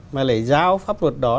mà lại giao pháp luật đó